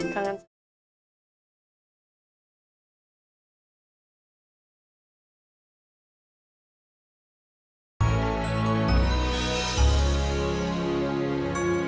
kangen sama aku